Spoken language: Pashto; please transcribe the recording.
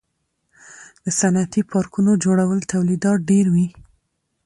د صنعتي پارکونو جوړول تولیدات ډیروي.